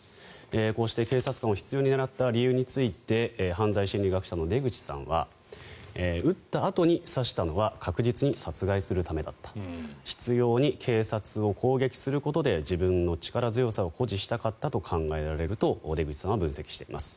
こうして警察官を執ように狙った理由について犯罪心理学者の出口さんは撃ったあとに刺したのは確実に殺害するためだった執ように警察を攻撃することで自分の力強さを誇示したかったと考えられると出口さんは分析しています。